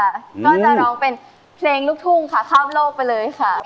ก็จะร้องเป็นเพลงลูกทุ่งค่ะข้ามโลกไปเลยค่ะ